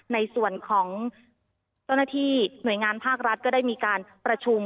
ในส่วนของเจ้าหน้าที่หน่วยงานภาครัฐก็ได้มีการประชุม